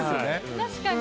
確かに。